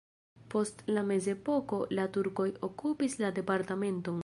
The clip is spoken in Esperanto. Post la mezepoko la turkoj okupis la departementon.